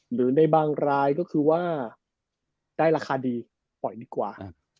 หรือในบางรายก็คือว่าได้ราคาดีปล่อยดีกว่า